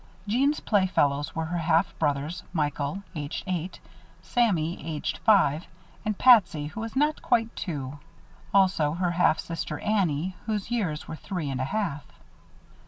Jeanne's playfellows were her half brothers Michael, aged eight, Sammy, aged five, and Patsy, who was not quite two. Also her half sister Annie, whose years were three and a half.